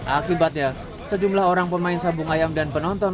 akibatnya sejumlah orang pemain sabung ayam dan penonton